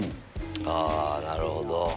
あなるほど！